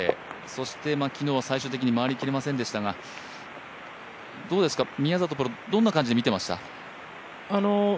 そして昨日は最終的に回りきれませんでしたがどんな感じてみてましたか？